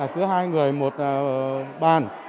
cứ hai người một bàn